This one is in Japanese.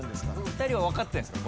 ２人は分かってんすか？